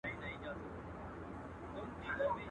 ته مي لیدې چي دي د پرخي مرغلیني دانې ..